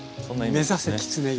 目指せきつね色！